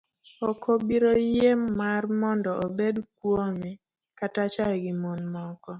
Ok obiro yie mar mondo obed kuome kata chaye gi mon moko.